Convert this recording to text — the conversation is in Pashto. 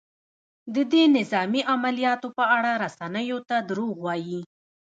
د دې نظامي عملیاتو په اړه رسنیو ته دروغ وايي؟